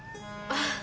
あっ。